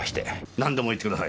なんでも言ってください。